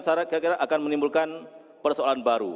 saya kira akan menimbulkan persoalan baru